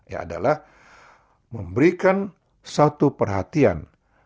yaitu memberikan satu perhatian